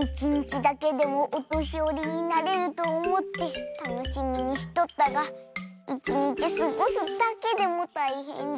いちにちだけでもおとしよりになれるとおもってたのしみにしとったがいちにちすごすだけでもたいへんじゃ。